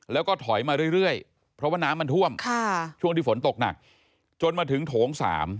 แล้วก็ถอยมาเรื่อยเพราะว่าน้ำมันท่วมช่วงที่ฝนตกหนักจนมาถึงโถง๓